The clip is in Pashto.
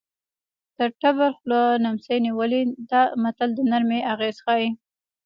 د تبر خوله نیمڅي نیولې ده متل د نرمۍ اغېز ښيي